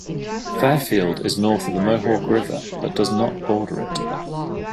Fairfield is north of the Mohawk River, but does not border it.